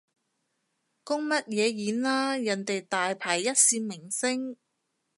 公乜嘢演啊，人哋大牌一線明星